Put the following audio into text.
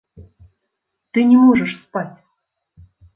Ты не можаш спаць.